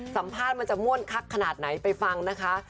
สัมภาษณ์มันจะม่วนคักขนาดไหนไปฟังนะคะ